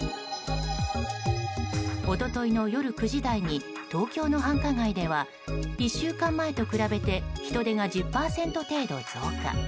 一昨日の夜９時台に東京の繁華街では１週間前と比べて人出が１０％程度増加。